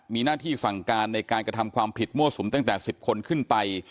มีหน้าที่สั่งการในการกระทำความผิดมั่วสุมตั้งแต่๑๐คนขึ้นไป